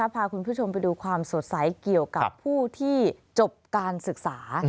พาคุณผู้ชมไปดูความสดใสเกี่ยวกับผู้ที่จบการศึกษา